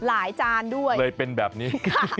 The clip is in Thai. เลยเป็นแบบนี้